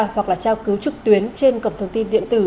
hoặc là tra cứu trực tuyến trên cổng thông tin điện tử